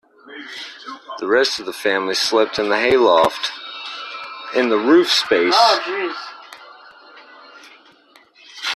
The rest of the family slept in the hay loft, in the roof space.